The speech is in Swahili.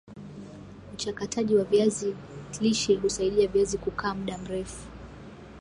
uchakataji wa viazi kklishe husaidia viazi kukaa mda mrefu